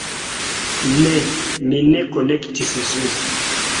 Ne! mi ne konektis ĝin